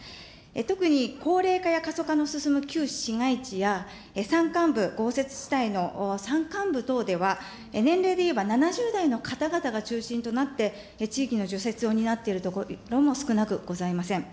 特に高齢化や過疎化の進む旧市街地や、山間部、豪雪地帯の山間部等では、年齢でいえば７０代の方々が中心となって、地域の除雪を担っている所も少なくございません。